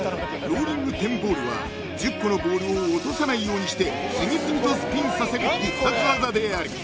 ローリング・テン・ボールは１０個のボールを落とさないようにして次々とスピンさせる必殺技である］